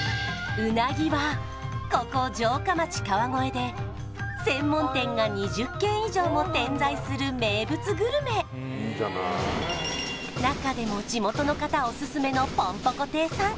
うなぎはここ城下町川越で専門店が２０軒以上も点在する名物グルメ中でも地元の方オススメのぽんぽこ亭さん